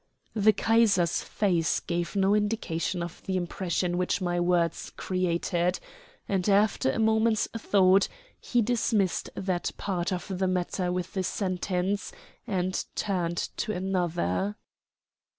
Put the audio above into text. The Kaiser's face gave no indication of the impression which my words created, and after a moment's thought he dismissed that part of the matter with a sentence, and turned to another.